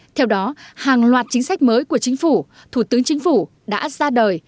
theo đó hàng loạt chính sách mới của chính phủ thủ tướng chính phủ đã ra đời